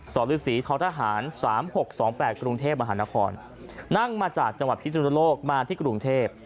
สรรศรีท้อทหารสามหกสองแปดกรุงเทพมหานครนั่งมาจากจังหวัดพิศวินโลกมาที่กรุงเทพ